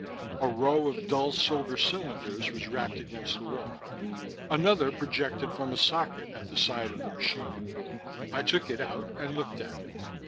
A row of dull silver cylinders was racked against the wall. Another projected from a socket at the side of the machine. I took it out and looked at it.